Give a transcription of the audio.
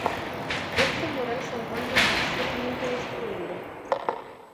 Este mural se encuentra parcialmente destruido.